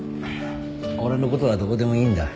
俺のことはどうでもいいんだ。